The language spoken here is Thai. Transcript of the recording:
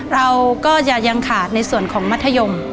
เราก็จะยังขาดในส่วนของมัธยม